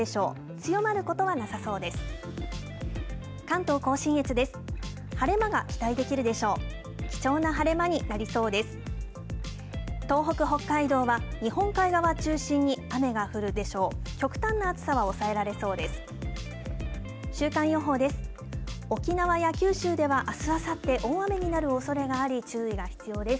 極端な暑さは抑えられそうです。